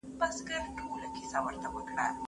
نازيه بالاخره زما له دې ځنډ څخه ډېره خپه شوه.